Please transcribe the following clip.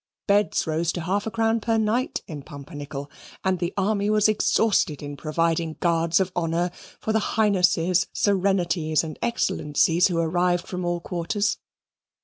Beds rose to half a crown per night in Pumpernickel, and the Army was exhausted in providing guards of honour for the Highnesses, Serenities, and Excellencies who arrived from all quarters.